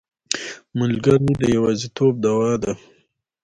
ملګری د یوازیتوب دوا ده.